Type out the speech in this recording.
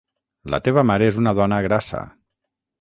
La teva mare és una dona grassa.